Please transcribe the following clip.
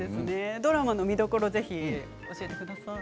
ドラマの見どころを教えてください。